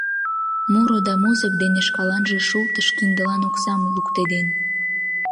Муро да музык дене шкаланже шултыш киндылан оксам луктеден.